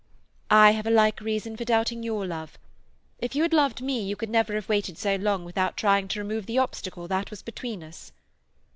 "I have a like reason for doubting your love. If you had loved me you could never have waited so long without trying to remove the obstacle that was between us."